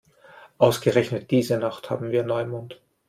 Ausgerechnet diese Nacht haben wir Neumond.